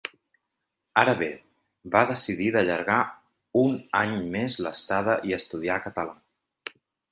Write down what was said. Ara bé, va decidir d’allargar un any més l’estada i estudiar català.